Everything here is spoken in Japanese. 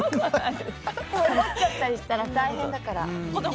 転んじゃったりしたら大変だから。